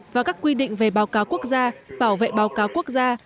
và các quy định về báo cáo quốc gia bảo vệ báo cáo quốc gia